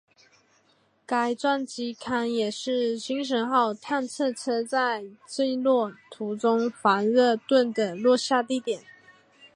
该撞击坑也是精神号探测车在降落途中防热盾的落下地点。